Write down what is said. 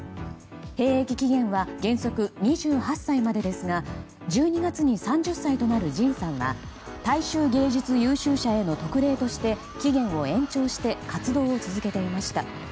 兵役期限は原則２８歳までですが１２月に３０歳となるＪＩＮさんは大衆芸術優秀者への特例として期限を延長して活動を続けていました。